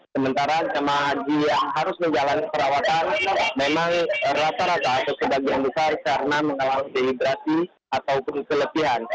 sementara jemaah haji yang harus menjalani perawatan memang rata rata atau sebagian besar karena mengalami dehidrasi ataupun kelebihan